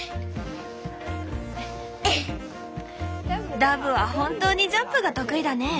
ダブは本当にジャンプが得意だね！